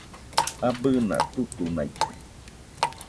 Abɨna tutunaite